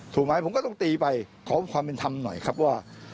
ถูกไหมผมก็ต้องตีไปขอความเป็นธรรมหน่อยครับว่า